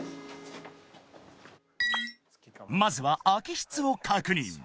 ［まずは空き室を確認］